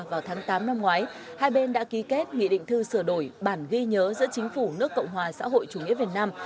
vào tháng tám năm ngoái hai bên đã ký kết nghị định thư sửa đổi bản ghi nhớ giữa chính phủ nước cộng hòa xã hội chủ nghĩa việt nam